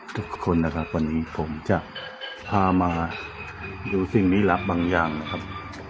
ทุกคนนะครับวันนี้ผมจะพามาดูสิ่งลี้ลับบางอย่างนะครับ